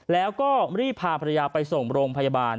แล้วก็รีบพาภรรยาไปส่งโรงพยาบาล